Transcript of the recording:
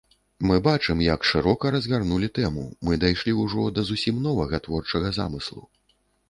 Мы бачым, як шырока разгарнулі тэму, мы дайшлі ўжо да зусім новага творчага замыслу.